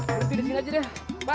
berhenti disini aja deh ban